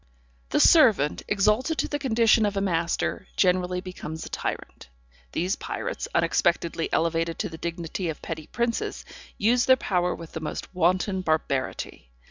The servant, exalted to the condition of a master, generally becomes a tyrant. These pirates, unexpectedly elevated to the dignity of petty princes, used their power with the most wanton barbarity.